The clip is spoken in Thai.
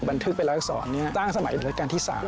บันทึกเป็นรักษรเนี่ยสร้างสมัยการที่๓